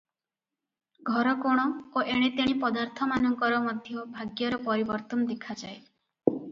ଘରକୋଣ ଓ ଏଣେତେଣେ ପଦାର୍ଥମାନଙ୍କର ମଧ୍ୟ ଭାଗ୍ୟର ପରିବର୍ତ୍ତନ ଦେଖାଯାଏ ।